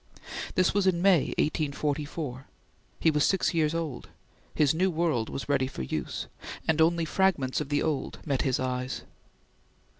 This was in May, 1844; he was six years old; his new world was ready for use, and only fragments of the old met his eyes.